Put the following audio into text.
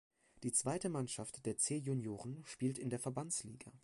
Die zweite Mannschaft der C-Junioren spielt in der Verbandsliga.